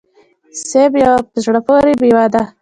سيب يوه په زړه پوري ميوه ده